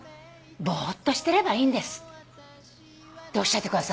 ぼーっとしてればいいんです」っておっしゃってくださったの。